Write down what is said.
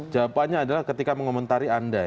jawabannya adalah ketika mengomentari anda ya